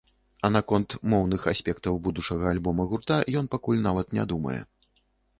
А наконт моўных аспектаў будучага альбома гурта ён пакуль нават не думае.